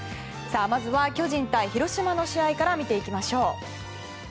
まずは巨人対広島の試合から見ていきましょう。